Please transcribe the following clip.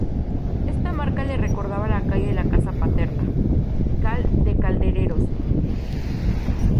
Esta marca le recordaba la calle de la casa paterna: Cal de Caldereros.